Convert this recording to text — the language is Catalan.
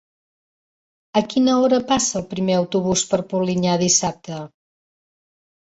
A quina hora passa el primer autobús per Polinyà dissabte?